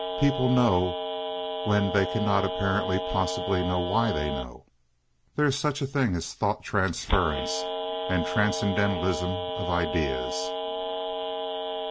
People know, when they cannot apparently possibly know why they know. There is such a thing as thought transference and transcendentalism of ideas.